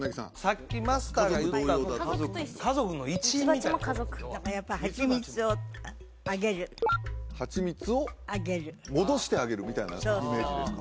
さっきマスターが言った家族同様だとミツバチも家族だからやっぱハチミツをあげるハチミツを戻してあげるみたいなイメージですか